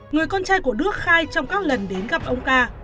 người con trai của đức khai trong các lần đến gặp ông ca